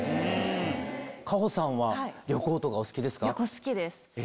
夏帆さんは旅行とかお好きですか？